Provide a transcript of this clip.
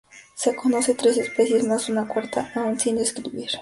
Se conocen tres especies, más una cuarta aún sin describir.